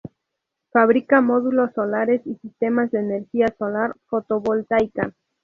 Fabrica módulos solares y sistemas de energía solar fotovoltaica.